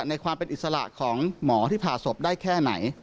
ในความเป็นอิสระของหมอที่ผ่าศพได้แค่ไหน